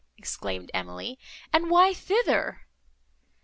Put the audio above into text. exclaimed Emily—"and why thither?"